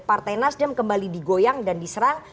partai nasdem kembali digoyang dan diserang